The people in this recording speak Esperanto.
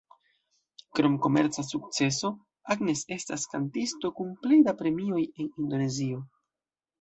Krom komerca sukceso, Agnes estas kantisto kun plej da premioj en Indonezio.